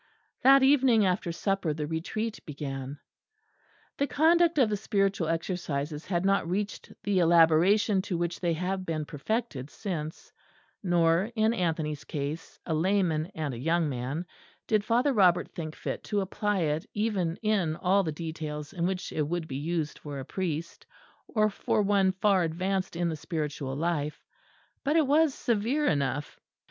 That evening after supper the Retreat began. The conduct of the Spiritual Exercises had not reached the elaboration to which they have been perfected since; nor, in Anthony's case, a layman and a young man, did Father Robert think fit to apply it even in all the details in which it would be used for a priest or for one far advanced in the spiritual life; but it was severe enough.